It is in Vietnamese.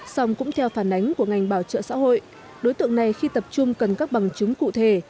xong cũng theo phản ánh của ngành bảo trợ xã hội đối tượng này khi tập trung cần các bằng chứng cụ thể